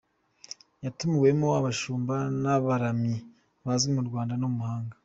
Yatumiwemo abashumba n’abaramyi bazwi mu Rwanda no mu mahanga.